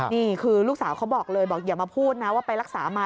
นี่คือลูกสาวเขาบอกเลยบอกอย่ามาพูดนะว่าไปรักษามา